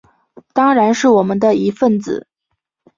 当然是我们的一分子